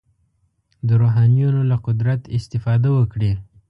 د روحانیونو له قدرت استفاده وکړي.